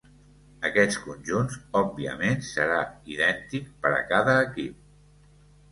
Aquests conjunts, òbviament, serà idèntic per a cada equip.